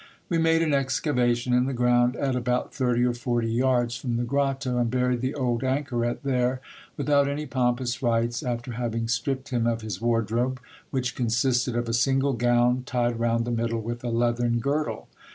We made an excavation in the ground at about thirty or forty yards from the grotto, and buried the old anchoret there without any pompous rites, after having stripped him of his wardrobe, which consisted of a single gown tied round the middle with a leathern girdle.